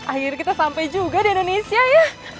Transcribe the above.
akhirnya kita sampai juga di indonesia ya